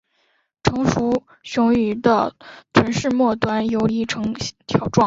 成熟雄鱼的臀鳍末端游离呈条状。